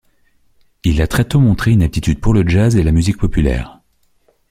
Il a très tôt montré une aptitude pour le jazz et la musique populaire.